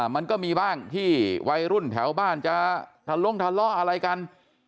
มันก็มีบ้างที่วัยรุ่นแถวบ้านจะทะลงทะเลาะอะไรกัน